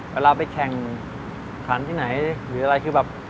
เวลาไปแข่งขันที่ไหนหรืออะไรคือแบบ